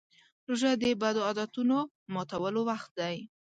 روژه د بدو عادتونو ماتولو وخت دی.